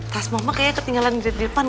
tas moh moh kayaknya ketinggalan di depan